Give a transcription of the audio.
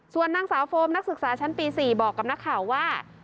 ส่วนนางสาวโฟมนักศึกษาชั้นปี๔บอกกับนักข่าวว่า